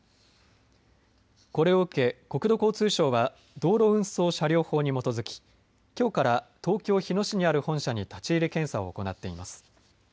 これを受け国土交通省は道路運送車両法に基づききょうから東京日野市にある本社に立ち入り検査を行っています。